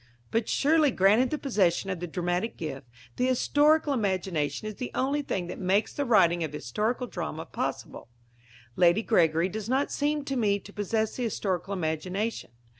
But surely, granted the possession of the dramatic gift, the historical imagination is the only thing that makes the writing of historical drama possible. Lady Gregory does not seem to me to possess the historical imagination.